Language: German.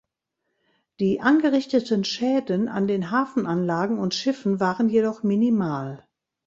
Die angerichteten Schäden an den Hafenanlagen und Schiffen waren jedoch minimal.